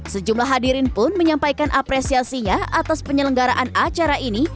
sejumlah hadirin pun menyampaikan apresiasinya atas penyelenggaraan acara ini